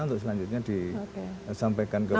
untuk selanjutnya disampaikan ke